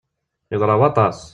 Yeḍra waṭas!